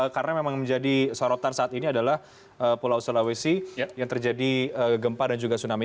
karena memang menjadi sorotan saat ini adalah pulau sulawesi yang terjadi gempa dan juga tsunami